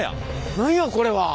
何やこれは。